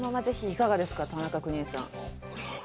いかがですか、田中邦衛さん。